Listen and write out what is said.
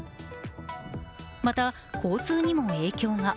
また、交通にも影響が。